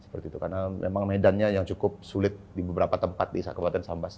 karena memang medannya yang cukup sulit di beberapa tempat di kabupaten sambas